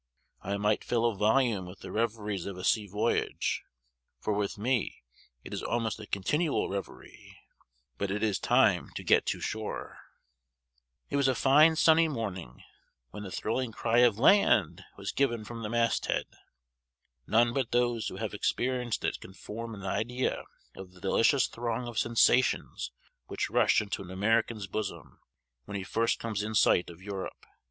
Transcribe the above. I might fill a volume with the reveries of a sea voyage; for with me it is almost a continual reverie but it is time to get to shore. It was a fine sunny morning when the thrilling cry of "land!" was given from the mast head. None but those who have experienced it can form an idea of the delicious throng of sensations which rush into an American's bosom, when he first comes in sight of Europe.